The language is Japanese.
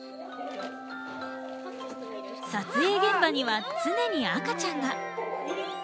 撮影現場には常に赤ちゃんが。